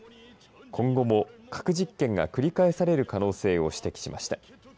今後も核実験が繰り返される可能性を指摘しました。